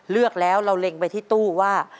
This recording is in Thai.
เลือกแล้วเราเล็งไปที่ตู้ว่า